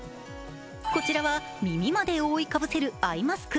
こちらは、耳まで覆い被せるアイマスク。